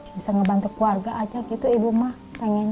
bisa ngebantu keluarga aja gitu ibu mah pengen